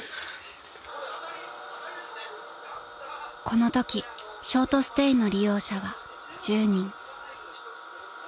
［このときショートステイの利用者は１０人］